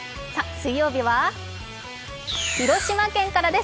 水曜日は広島県からです。